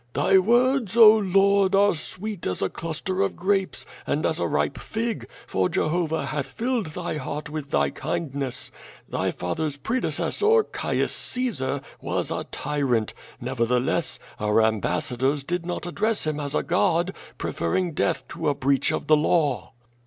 "Thy words, oh, Lord, are sweet as a cluster of grapes, and as a ripe fig, for Jehovah hath filled thy heart with thy kindness. Thy father's predecessor, Caius C'aesar, was a ty rant. Nevertheless, our ambassadors did not address him as a god, preferring death to a breach of the law."